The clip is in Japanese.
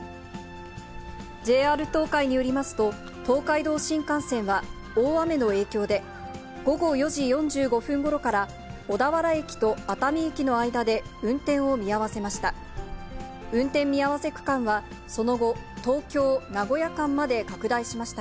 ＪＲ東海によりますと、東海道新幹線は大雨の影響で、午後４時４５分ごろから、小田原駅と熱海駅の間で運転を見合わせました。